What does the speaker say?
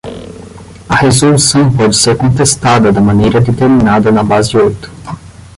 A resolução pode ser contestada da maneira determinada na base oito.